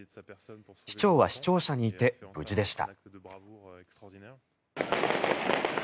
市長は市庁舎にいて無事でした。